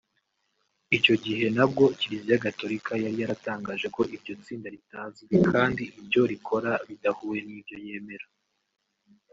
Icyo gihe nabwo Kiliziya gatolika yari yaratangaje ko iryo tsinda ritazwi kandi ibyo rikora bidahuye n’ibyo yemera